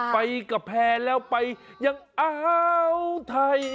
ไปกับแพร่แล้วไปยังอ่าวไทย